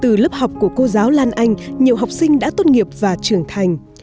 từ lớp học của cô giáo lan anh nhiều học sinh đã tốt nghiệp và trưởng thành